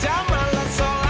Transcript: jangan lupa subscribe channel ini